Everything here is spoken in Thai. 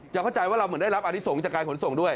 เข้าใจว่าเราเหมือนได้รับอนิสงฆ์จากการขนส่งด้วย